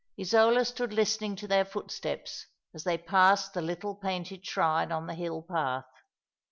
Isola stood listening to their footsteps, as they passed the little painted shrine on the hill path.